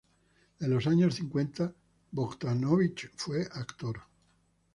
En los años cincuenta, Bogdanovich fue actor.